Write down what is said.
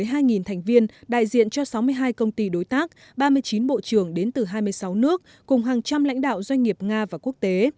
diễn đàn có sự góp mặt của một mươi hai thành viên đại diện cho sáu mươi hai công ty đối tác ba mươi chín bộ trưởng đến từ hai mươi sáu nước cùng hàng trăm lãnh đạo doanh nghiệp nga và quốc tế